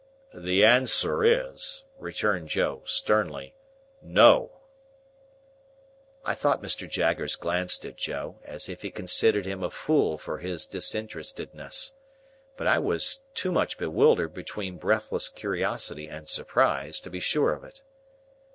"The answer is," returned Joe, sternly, "No." I thought Mr. Jaggers glanced at Joe, as if he considered him a fool for his disinterestedness. But I was too much bewildered between breathless curiosity and surprise, to be sure of it.